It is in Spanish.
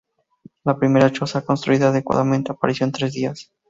La primera choza construida adecuadamente apareció en tres días.